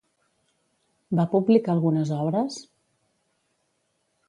Va publicar algunes obres?